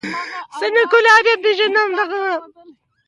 زه نه ګلاب پېژنم نه غلام جان.